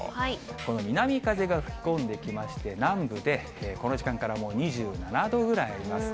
この南風が吹き込んできまして、南部でこの時間からもう２７度ぐらいあります。